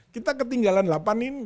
kita ketinggalan delapan ini